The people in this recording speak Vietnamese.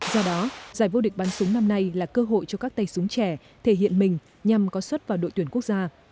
do đó giải vô địch bắn súng năm nay là cơ hội cho các tay súng trẻ thể hiện mình nhằm có xuất vào đội tuyển quốc gia